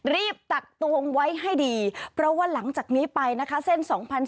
รีบตักตรงไว้ให้ดีเพราะว่าหลังจากนี้ไปนะคะเส้น๒๐๑๘๒๐๑๖๒๐๑๔